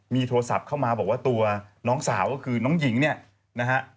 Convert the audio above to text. มีโทรศัพท์เข้ามาบอกว่าตัวน้องสาวก็คือน้องหญิงเนี่ยนะฮะ